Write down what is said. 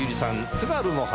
『津軽の花』。